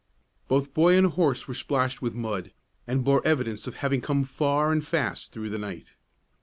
Both boy and horse were splashed with mud, and bore evidence of having come far and fast through the night.